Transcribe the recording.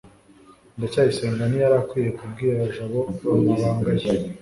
ndacyayisenga ntiyari akwiye kubwira jabo amabanga ye